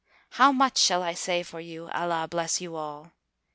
How much shall I say for you, Allah bless you all!"